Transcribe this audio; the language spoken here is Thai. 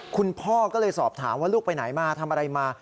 คุณพ่อก็เลยสอบถามว่าลูกไปไหนมาทำอะไรมา